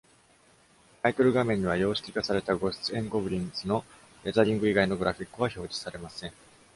タイトル画面には、様式化された「Ghosts 'n Goblins」のレタリング以外のグラフィックは表示されません。